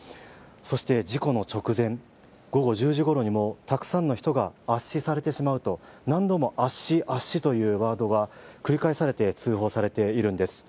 そして事故の直前、午後１０時ごろにもたくさんの人が圧死されてしまうと何度も圧死、圧死というワードが繰り返されて通報されているんです。